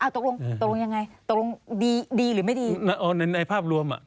ตกลงยังไงตกลงดีหรือไม่ดี